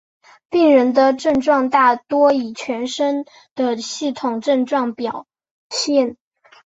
病人的症状大多以全身的系统性症状表现。